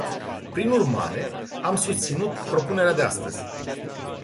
Prin urmare, am susținut propunerea de astăzi.